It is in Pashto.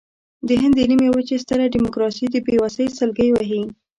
د هند د نیمې وچې ستره ډیموکراسي د بېوسۍ سلګۍ وهي.